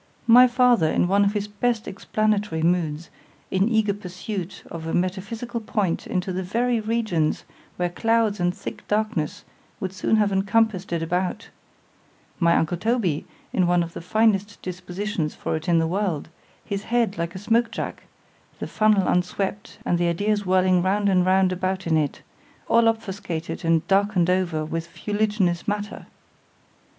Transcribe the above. ——My father in one of his best explanatory moods—in eager pursuit of a metaphysical point into the very regions, where clouds and thick darkness would soon have encompassed it about;—my uncle Toby in one of the finest dispositions for it in the world;—his head like a smoke jack;——the funnel unswept, and the ideas whirling round and round about in it, all obfuscated and darkened over with fuliginous matter!